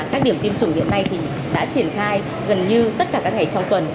các điểm tiêm chủng hiện nay đã triển khai gần như tất cả các ngày trong tuần